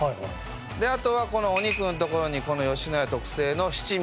であとはこのお肉のところにこの野家特製の七味。